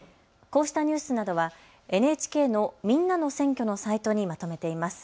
こうしたニュースなどはＮＨＫのみんなの選挙のサイトにまとめています。